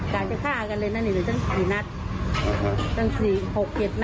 การจะฆ่ากันเลยนั่นนี่แต่ตั้งสี่นัดตั้งสี่หกเจ็ดนัดน่ะ